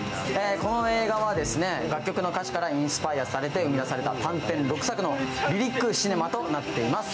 この映画は楽曲の歌詞からインスパイアされて生み出された短編６作のリリックシネマとなっています。